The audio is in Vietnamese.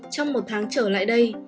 trong một tháng trở lại đây